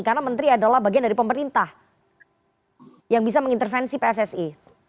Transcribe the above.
karena menteri adalah bagian dari pemerintah yang bisa mengintervensi pssi